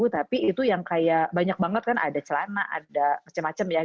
tapi itu yang kayak banyak banget kan ada celana ada macam macam ya